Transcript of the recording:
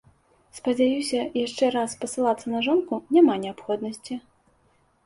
Спадзяюся, яшчэ раз спасылацца на жонку няма неабходнасці.